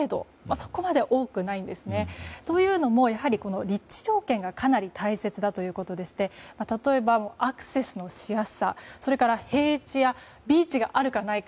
そこまで多くないんですね。というのも、立地条件がかなり大切だということでして例えば、アクセスのしやすさそれから平地やビーチがあるかないか。